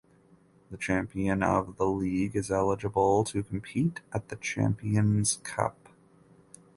The champion of the league is eligible to compete at the Champions Cup.